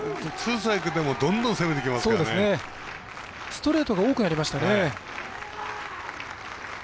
ストレートが多くなりましたね。